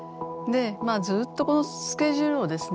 ずっとこのスケジュールをですね